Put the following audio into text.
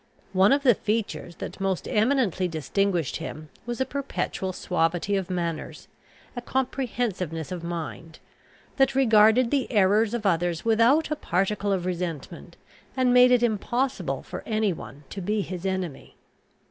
One of the features that most eminently distinguished him was a perpetual suavity of manners, a comprehensiveness of mind, that regarded the errors of others without a particle of resentment, and made it impossible for any one to be his enemy.